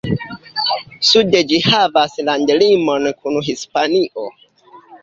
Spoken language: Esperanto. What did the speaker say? Sude ĝi havas landlimon kun Hispanio.